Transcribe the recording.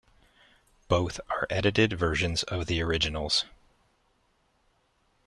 Both are edited versions of the originals.